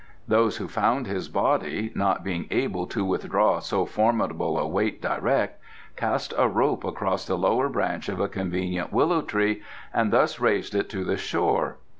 Those who found his body, not being able to withdraw so formidable a weight direct, cast a rope across the lower branch of a convenient willow tree and thus raised it to the shore.